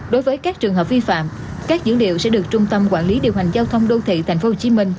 đối với các trường hợp vi phạm các dữ liệu sẽ được trung tâm quản lý điều hành giao thông đô thị tp hcm